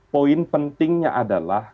poin pentingnya adalah